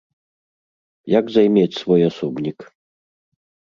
Як займець свой асобнік?